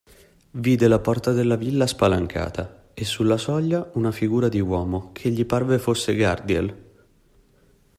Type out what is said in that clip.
Vide la porta della villa spalancata e sulla soglia una figura di uomo, che gli parve fosse Gardiel.